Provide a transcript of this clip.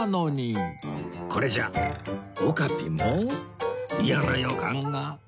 これじゃあオカピも嫌な予感が